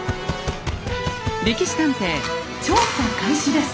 「歴史探偵」調査開始です。